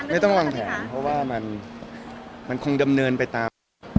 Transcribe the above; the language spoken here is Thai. ไม่ต้องวางแผนเพราะว่ามันคงดำเนินไปตาม